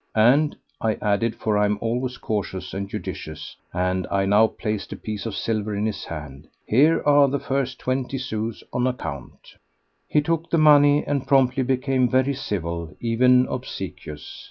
And," I added, for I am always cautious and judicious, and I now placed a piece of silver in his hand, "here are the first twenty sous on account." He took the money and promptly became very civil, even obsequious.